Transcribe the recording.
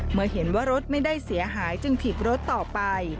เมื่อเห็นว่ารถไม่ได้เสียหายจึงถีบรถต่อไป